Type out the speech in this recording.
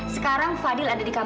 sekarang fadil ada di kpk